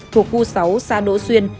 thuộc khu sáu xa đỗ xuyên